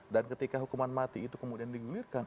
dan ketika hukuman mati itu kemudian digulirkan